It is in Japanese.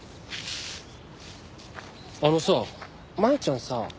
あのさ舞ちゃんさ